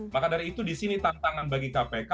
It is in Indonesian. maka dari itu disini tantangan bagi kpk